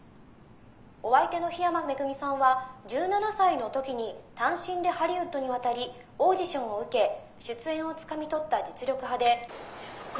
お相手の緋山恵さんは１７歳の時に単身でハリウッドに渡りオーディションを受け出演をつかみ取った実力派で」。